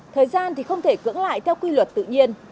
thời gian thì không thể cưỡng lại theo quy luật tự nhiên